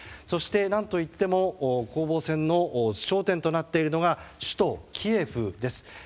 そして、何といっても攻防戦の焦点となっているのが首都キエフです。